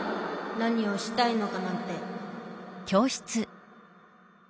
何をしたいのかなんて。